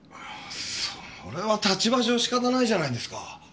それは立場上仕方ないじゃないですか。